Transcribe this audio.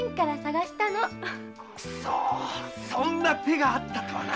くそそんな手があったとはな。